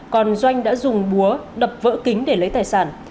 còn doanh đã dùng búa đập vỡ kính để lấy tài sản